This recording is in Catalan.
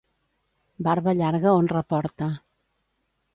Barba llarga honra porta.